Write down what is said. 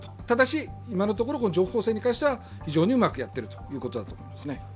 ただし、今のところ情報戦に関しては、非常にうまくやっているということだと思います。